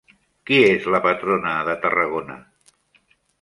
Qui és la patrona de Tarragona?